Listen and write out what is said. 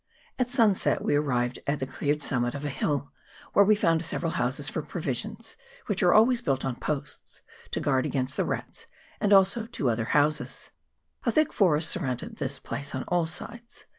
At sunset we arrived at the cleared summit of a hill, where we found several houses for provisions, CHAP. VII.] ANNOYANCES. 145 which are always built on posts, to guard against the rats, and also two other houses. A thick forest surrounded this place on all sides.